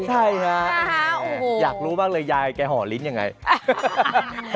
ใช่นะอยากรู้บ้างเลยยายแกห่อลิ้นอย่างไรฮัฮฮัฮ